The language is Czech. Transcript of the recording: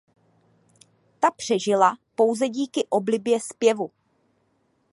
Ta přežila pouze díky oblibě zpěvu.